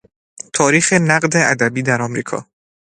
تاریخ نقد ادبی در امریکا